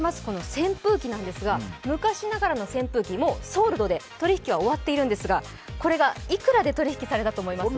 扇風機なんですが、昔ながらの扇風機、ソールドで取引が終わっているんですがこれがいくらで取り引きされたと思います？